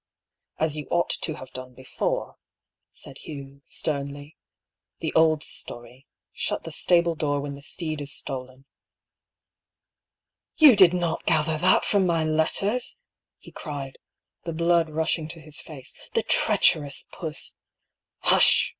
As you ought to have done before," said Hugh, sternly. "The old story — shut the stable door when the steed is stolen." " You did not gather that from my letters !" he cried, the blood rushing to his face. " The treacherous puss "" Hush